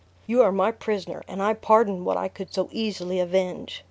You are my prisoner, and I pardon what I could so easily avenge.